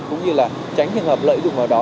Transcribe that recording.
cũng như là tránh trường hợp lợi dụng vào đó